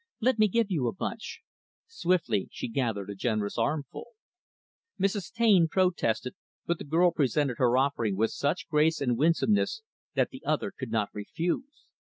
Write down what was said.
"Let me give you a bunch." Swiftly she gathered a generous armful. Mrs. Taine protested, but the girl presented her offering with such grace and winsomeness that the other could not refuse.